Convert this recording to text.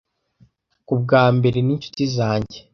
kubwa mbere n'inshuti zanjye